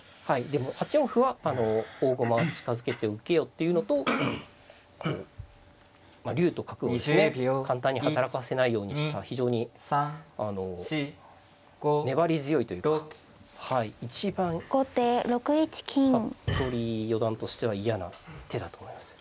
８四歩は「大駒は近づけて受けよ」っていうのと竜と角をですね簡単に働かせないようにした非常に粘り強いというか一番服部四段としては嫌な手だと思います。